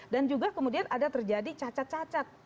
dan juga kemudian ada terjadi cacat cacat